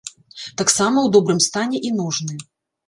Таксама ў добрым стане і ножны.